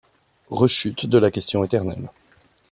Rechute de la question éternelle.